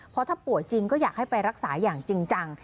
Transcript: เพราะถ้าป่วยจริงก็อยากให้ไปรักษาอย่างจริงจัง